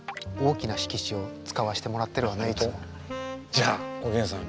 じゃあおげんさん